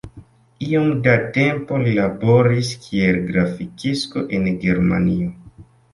Iom da tempo li laboris kiel grafikisto en Germanio.